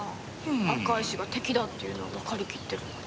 赤石が敵だっていうのはわかりきってるのに。